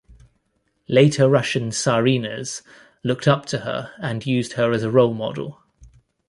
Later Russian tsarinas looked up to her and used her as a role model.